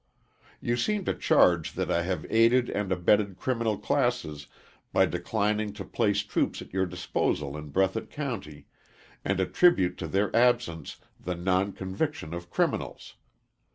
You seem to charge that I have aided and abetted criminal classes by declining to place troops at your disposal in Breathitt County, and attribute to their absence the non conviction of criminals.